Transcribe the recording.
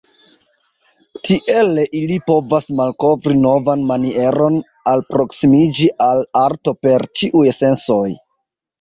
Tiele ili povas malkovri novan manieron alproksimiĝi al arto per ĉiuj sensoj.